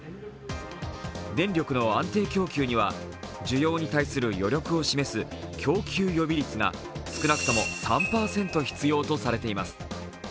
電力の安定供給には、需要に対する余力を示す供給予備率が少なくとも３％必要とされています。